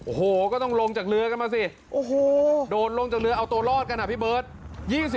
โอ้โหก็ต้องลงจากเรือกันมาสิโอ้โหโดนลงจากเรือเอาตัวรอดกันอ่ะพี่เบิร์ต